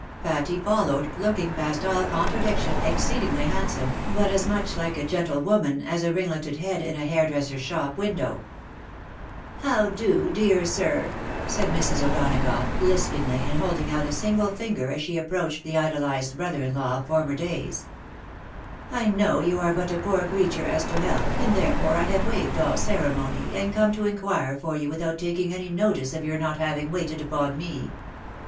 Patty followed, looking, past all contra diction, exceedingly handsome, but as much like a gentlewoman as a ringleted head in a hairdresser's shop window. " How do, dear sir ?" said Mrs. O'Donagough, lispingly, and holding out a single finger as she approached the idolised brother in law of former days. " I know you are but a poor creature as to health, and therefore I have waived all ceremony, and come to inquire for you without taking any notice of your not having waited upon me.